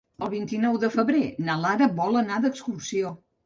El vint-i-nou de febrer na Lara vol anar d'excursió.